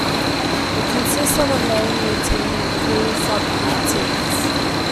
It consists of a main routine with three subroutines.